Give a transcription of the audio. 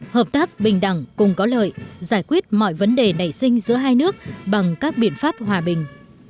hợp tác bình đẳng cùng có lợi giải quyết mọi vấn đề nảy sinh giữa hai nước bằng các biện pháp hòa bình